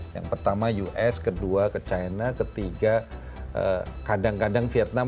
yang pertama us kedua ke china ketiga kadang kadang vietnam